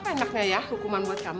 apa enaknya ya hukuman buat kamu